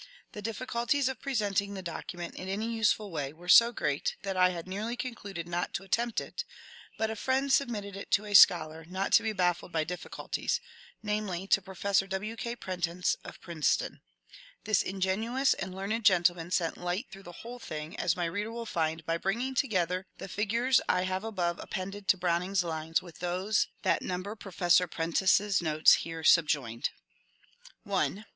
The difficulties of presenting the document in any useful way were so great that I had nearly concluded not to attempt it, but a friend submitted it to a scholar not to be baffled by difficulties, namely to Pro fessor W. K. Prentice of Princeton. This ingenious and learned gentleman sent light through the whole thing, as my reader will find by bringing together the figures I have above appended to Browning's lines with those that number Pro fessor Prentice's notes here subjoined :— 1.